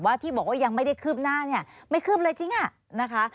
ที่บอกว่ายังไม่ได้คืบหน้าเนี่ยไม่คืบเลยจริงอ่ะนะคะ